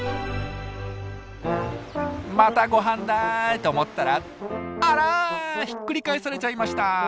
またごはんだと思ったらあらひっくり返されちゃいました。